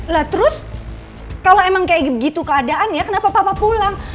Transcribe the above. lah terus kalau emang kayak begitu keadaan ya kenapa papa pulang